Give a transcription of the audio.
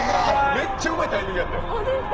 めっちゃうまいタイミングやった。